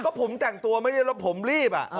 ก็ผมแต่งตัวเนี่ยแต่ผมรีบ